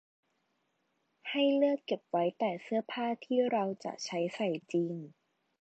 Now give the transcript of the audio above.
ให้เลือกเก็บไว้แต่เสื้อผ้าที่เราจะใช้ใส่จริง